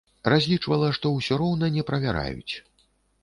Разлічвала, што ўсё роўна не правяраюць.